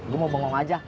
gue mau bengong aja